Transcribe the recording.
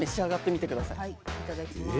はいいただきます。